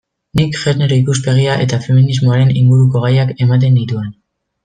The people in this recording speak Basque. Nik genero ikuspegia eta feminismoaren inguruko gaiak ematen nituen.